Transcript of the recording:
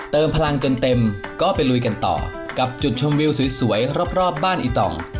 พลังจนเต็มก็ไปลุยกันต่อกับจุดชมวิวสวยรอบบ้านอีตอง